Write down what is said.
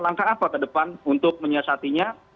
langkah apa ke depan untuk menyiasatinya